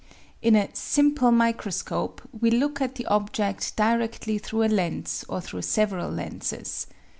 In a "simple" microscope we look at the object directly through a lens or through several lenses.